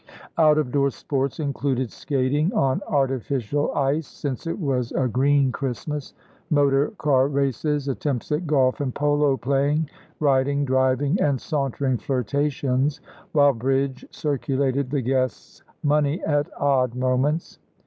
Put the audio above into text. Out of door sports included skating on artificial ice since it was a green Christmas motor car races, attempts at golf and polo playing, riding, driving, and sauntering flirtations, while bridge circulated the guests' money at odd moments.